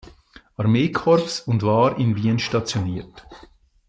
Armeekorps und war in Wien stationiert.